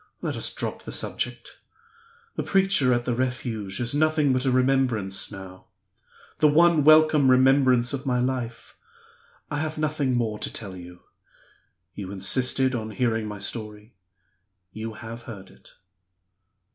Let us drop the subject. The preacher at the Refuge is nothing but a remembrance now the one welcome remembrance of my life! I have nothing more to tell you. You insisted on hearing my story you have heard it."